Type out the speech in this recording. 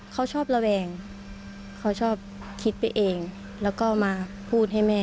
เขาชอบระแวงเขาชอบคิดไปเองแล้วก็มาพูดให้แม่